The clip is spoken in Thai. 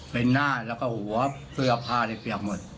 เป็นหน้าแล้วก็หัวเสื้อผ้าได้เปียกหมด